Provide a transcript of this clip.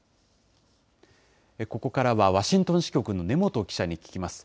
ここからはワシントン支局の根本記者に聞きます。